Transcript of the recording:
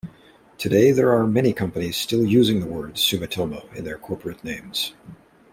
Today, there are many companies still using the word "Sumitomo" in their corporate names.